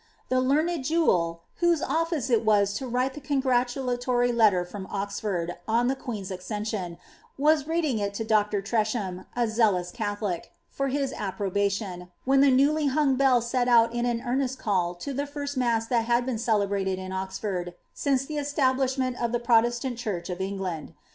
The learned Jewel, whoae office it «» to write the congratulatory letter froiyi Oxford, on the queen^ aceMJoa, waa reading it to Dr. Treeham, a xealons OathoUc, for hk afiprobatiaa, when the newly hung bell aet out in an eameat eall to the fiiat inaH that had been celebrated in Oxford, ainoe the eatahliahaBent of the ProiMi> ant church of England.